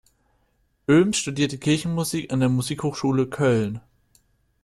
Oehms studierte Kirchenmusik an der Musikhochschule Köln.